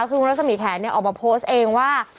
คือคุณรัศมีแขนออกมาโพสต์เองว่า